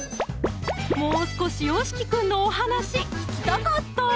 もう少しよしきくんのお話聞きたかったー！